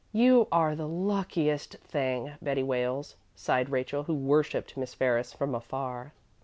"You are the luckiest thing, Betty Wales," sighed Rachel, who worshiped Miss Ferris from afar.